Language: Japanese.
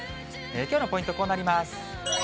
きょうのポイント、こうなります。